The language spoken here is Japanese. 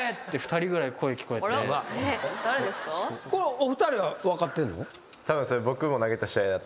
お二人は分かってんの？